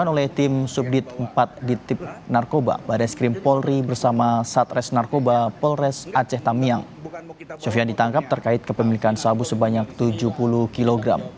caleg terpilih dpr kabupaten aceh tamiang dari partai keadilan sejahtera ditangkap polisi terkait kepemilikan narkoba jenis sabu sebanyak tujuh puluh kg